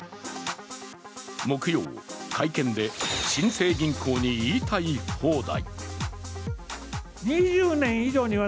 木曜、会見で新生銀行に言いたい放題。